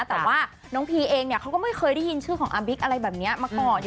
แต่ว่าน้องพีเองเนี่ยเขาก็ไม่เคยได้ยินชื่อของอาบิ๊กอะไรแบบนี้มาก่อน